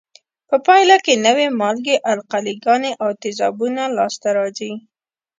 په پایله کې نوې مالګې، القلي ګانې او تیزابونه لاس ته راځي.